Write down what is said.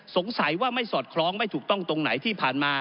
สงสัยว่าไม่สอดคล้องไม่ถูกต้องตรงไหนที่ผ่านมา